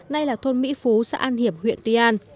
nay là thôn mỹ phú xã an hiểm huyện tuy an